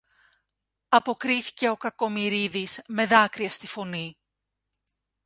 αποκρίθηκε ο Κακομοιρίδης με δάκρυα στη φωνή.